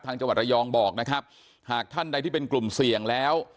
จังหวัดระยองบอกนะครับหากท่านใดที่เป็นกลุ่มเสี่ยงแล้ว